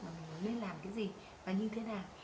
mà mình nên làm cái gì và như thế nào